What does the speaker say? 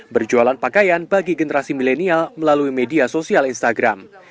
berjualan pakaian bagi generasi milenial melalui media sosial instagram